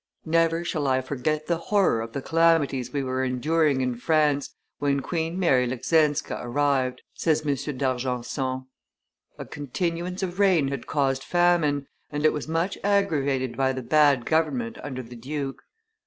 "Never shall I forget the horror of the calamities we were enduring in France, when Queen Mary Leckzinska arrived," says M. d'Argenson. "A continuance of rain had caused famine, and it was much aggravated by the bad government under the duke.